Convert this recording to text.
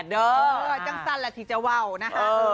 จังสั้นแหละที่จะว่าวนะฮะ